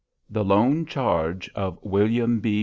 THE LONE CHARGE OF WILLIAM B.